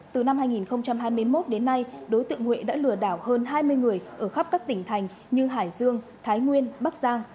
từ năm hai nghìn hai mươi một đến nay đối tượng huệ đã lừa đảo hơn hai mươi người ở khắp các tỉnh thành như hải dương thái nguyên bắc giang